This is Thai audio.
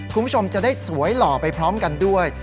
คุณผู้ชมจะได้สวยหล่อไปพร้อมกันด้วย